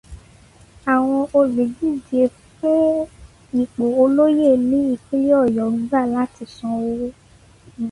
Àwọn olùdíje fún ìpò olóyè ní ìpínlẹ̀ Ọ̀yọ́ gbà láti san owó.